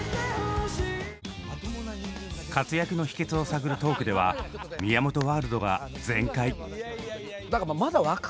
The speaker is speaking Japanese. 活躍の秘けつを探るトークでは宮本ワールドが全開！